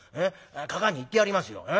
かかあに言ってやりますよ」。